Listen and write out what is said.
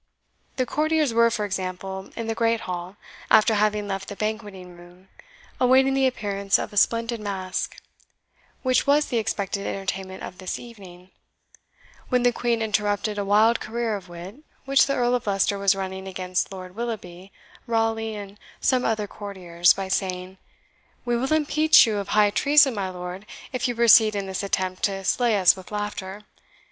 The courtiers were, for example, in the Great Hall, after having left the banqueting room, awaiting the appearance of a splendid masque, which was the expected entertainment of this evening, when the Queen interrupted a wild career of wit which the Earl of Leicester was running against Lord Willoughby, Raleigh, and some other courtiers, by saying, "We will impeach you of high treason, my lord, if you proceed in this attempt to slay us with laughter.